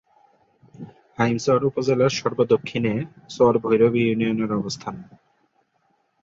হাইমচর উপজেলার সর্ব-দক্ষিণে চর ভৈরবী ইউনিয়নের অবস্থান।